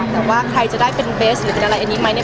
แต่ว่าใครจะได้เป็นเบสหรือเป็นอะไรอันนี้ไหมเนี่ย